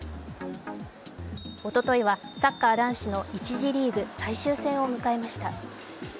おとといはサッカー男子の１次リーグ最終戦を迎えました。